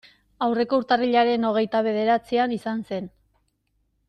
Aurreko urtarrilaren hogeita bederatzian izan zen.